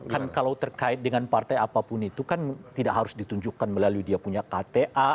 kan kalau terkait dengan partai apapun itu kan tidak harus ditunjukkan melalui dia punya kta